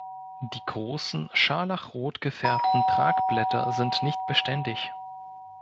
Die großen, scharlachrot gefärbten Tragblätter sind nicht beständig.